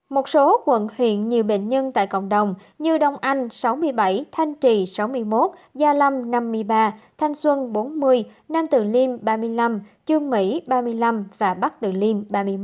một số quận huyện nhiều bệnh nhân tại cộng đồng như đông anh sáu mươi bảy thanh trì sáu mươi một gia lâm năm mươi ba thanh xuân bốn mươi nam từ liêm ba mươi năm trương mỹ ba mươi năm và bắc từ liêm ba mươi một